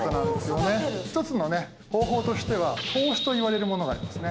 一つのね方法としては投資と言われるものがありますね。